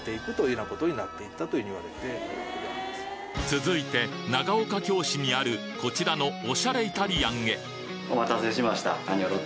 続いて長岡京市にあるこちらのおしゃれイタリアンへお待たせしました。